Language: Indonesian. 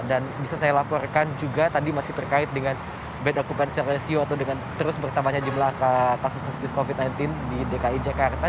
dan bisa saya laporkan juga tadi masih terkait dengan bad occupancy ratio atau dengan terus bertambahnya jumlah kasus covid sembilan belas di dki jakarta